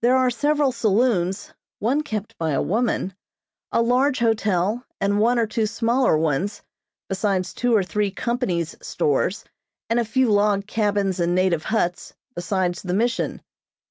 There are several saloons (one kept by a woman), a large hotel and one or two smaller ones, besides two or three company's stores and a few log cabins and native huts, besides the Mission.